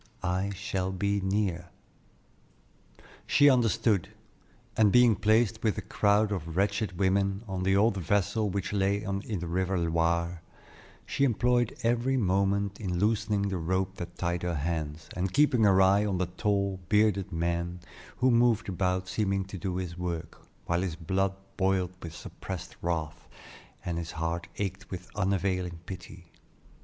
I shall be near." She understood, and being placed with a crowd of wretched women on the old vessel which lay in the river Loire, she employed every moment in loosening the rope that tied her hands, and keeping her eye on the tall, bearded man who moved about seeming to do his work, while his blood boiled with suppressed wrath, and his heart ached with unavailing pity.